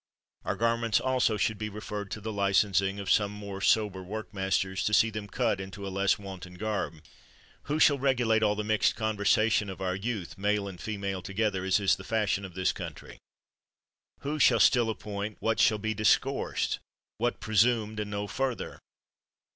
Our gar ments also should be referred to the licensing of some more sober workmasters to see them cut into a less wanton garb. Who shall regulate all the mixed conversation of our youth, male and female together, as is the fashion of this country ? Who shall still appoint what shall be discoursed, what presumed, and no further?